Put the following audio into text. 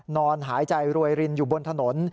นอนหายใจรวยรินอยู่บนถนน